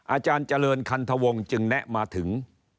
อาจารย์เจริญคันทวงจึงแนะมาถึง